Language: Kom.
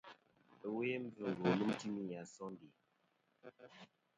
Ɨwe mbvɨngo lum timi a sondè.